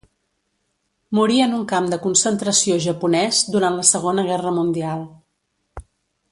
Morí en un camp de concentració japonès durant la Segona Guerra Mundial.